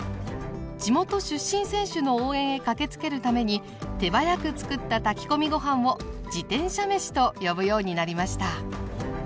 地元出身選手の応援へ駆けつけるために手早くつくった炊き込みご飯を「自転車めし」と呼ぶようになりました。